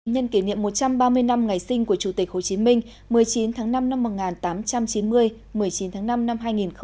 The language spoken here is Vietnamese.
nhân kỷ niệm một trăm ba mươi năm ngày sinh của chủ tịch hồ chí minh một mươi chín tháng năm năm một nghìn tám trăm chín mươi một mươi chín tháng năm năm hai nghìn hai mươi